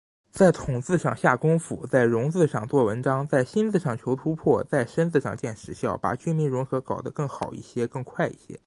在“统”字上下功夫，在“融”字上做文章，在“新”字上求突破，在“深”字上见实效，把军民融合搞得更好一些、更快一些。